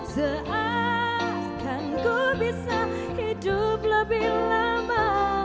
seakan kau bisa hidup lebih lama